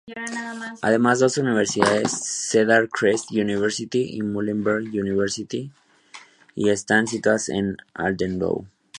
Además, dos universidades, Cedar Crest University y Muhlenberg University están situadas en Allentown.